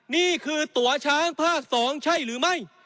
นี่คือตัวช้างภาค๒ใช่หรือไม่